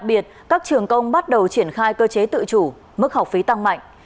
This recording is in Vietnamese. trong đó các trường công bắt đầu triển khai cơ chế tự chủ mức học phí tăng mạnh